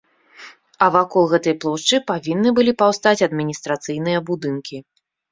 А вакол гэтай плошчы павінны былі паўстаць адміністрацыйныя будынкі.